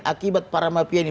akibat para mafia ini